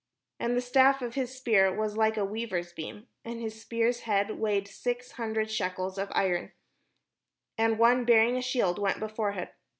And the stafi of his spear was like a weaver's beam; and his spear's head weighed six hundred shekels of iron: and one bearing a shield went before him.